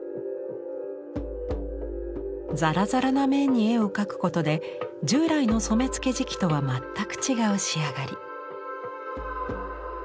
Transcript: ザラザラな面に絵を描くことで従来の染付磁器とは全く違う仕上がり。